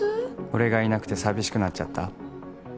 「俺がいなくて淋しくなっちゃった？」